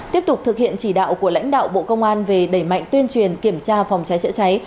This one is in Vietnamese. tiếp tục thực hiện chỉ đạo của lãnh đạo bộ công an về đẩy mạnh tuyên truyền kiểm tra phòng cháy chữa cháy